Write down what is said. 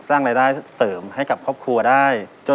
สร้างรายได้เสริมให้กับครอบครัวได้